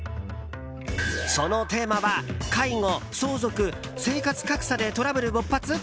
そのテーマは介護、相続、生活格差でトラブル勃発！？